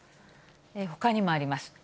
ほかにもあります。